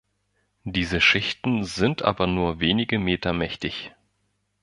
Diese Schichten sind aber nur wenige Meter mächtig.